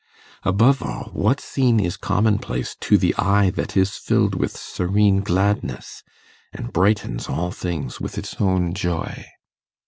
Above all, what scene is commonplace to the eye that is filled with serene gladness, and brightens all things with its own joy?